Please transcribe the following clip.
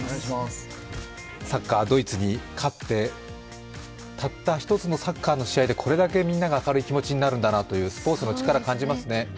サッカー、ドイツに勝ってたった一つのサッカーの試合でこれだけみんなが明るい気持ちになるんだなというスポーツの力を感じますね。